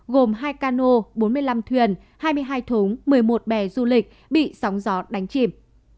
gồm hai cano bốn mươi năm thuyền hai mươi hai thốn một mươi một bè du lịch bị sóng gió đánh chìm